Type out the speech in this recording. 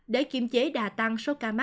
để kiềm chế đà tăng số ca mắc